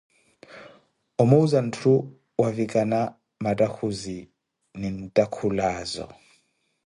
Omuuza ntthu wavikana mattakhuzi ninttakhulaazo.